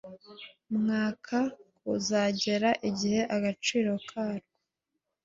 mwaka kuzageza igihe agaciro karwo